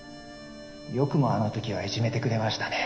「よくもあの時はいじめてくれましたね」